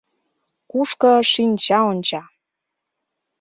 — Кушко шинча онча...